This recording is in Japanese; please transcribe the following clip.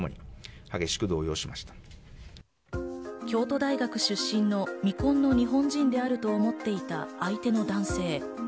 京都大学出身の未婚の日本人であると思っていた相手の男性。